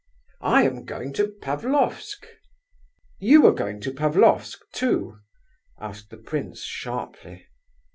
I am going to Pavlofsk." "You are going to Pavlofsk too?" asked the prince sharply.